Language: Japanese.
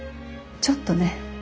ちょっとね。